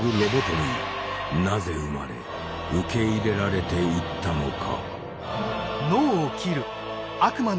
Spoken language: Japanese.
なぜ生まれ受け入れられていったのか？